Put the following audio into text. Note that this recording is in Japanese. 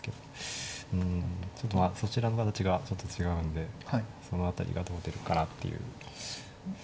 ちょっとまあそちらの形がちょっと違うんでその辺りがどう出るかなっていう。